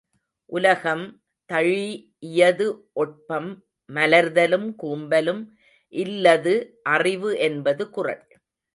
உலகம் தழீ இயது ஒட்பம் மலர்தலும் கூம்பலும் இல்லது அறிவு என்பது குறள்.